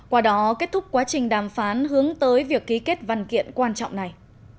qua đó kết thúc quá trình đàm phán hướng tới việc ký kết văn kiện quan trọng này